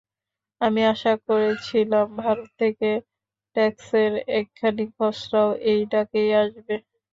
আমি আশা করেছিলাম, ভারত থেকে ট্রাষ্টের একখানি খসড়াও এই ডাকেই আসবে।